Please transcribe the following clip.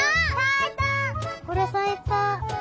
これさいた。